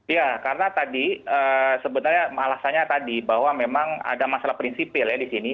ya karena tadi sebenarnya alasannya tadi bahwa memang ada masalah prinsipil ya di sini